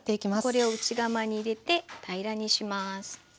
これを内釜に入れて平らにします。